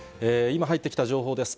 今入ってきた情報です。